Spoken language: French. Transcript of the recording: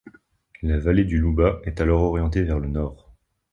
La vallée du Loubat est alors orientée vers le nord.